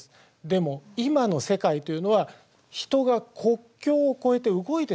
でも今の世界というのは人が国境を越えて動いてしまうんですね。